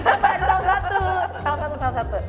gak bisa mbak salah satu